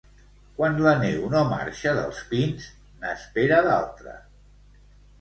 Quan la neu no marxa dels pins, n'espera d'altra.